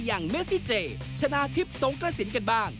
อย่างเมซิเจชนะทิพย์สงกระสินกันบ้าง